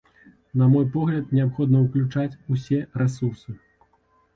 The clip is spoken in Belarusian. На мой погляд, неабходна ўключаць ўсе рэсурсы.